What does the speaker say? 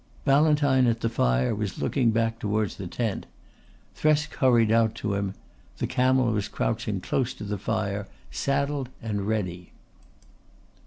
Ballantyne at the fire was looking back towards the tent. Thresk hurried out to him. The camel was crouching close to the fire saddled and ready.